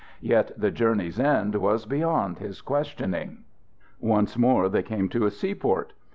Yet the journey's end was beyond his questioning. Once more they came to a seaport.